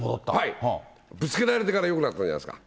ぶつけられてからよくなったんじゃないですか？